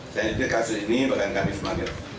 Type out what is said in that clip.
saya ingin kasih ini bagi kami semangat